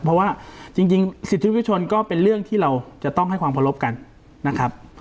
เพราะว่าจริงสิทธิวิชนก็เป็นเรื่องที่เราจะต้องให้ความเคารพกันนะครับ